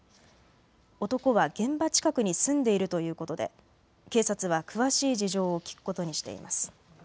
男は現場近くに住んでいるということで警察は詳しい事情を聞くことにしています。